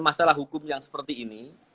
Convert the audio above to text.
masalah hukum yang seperti ini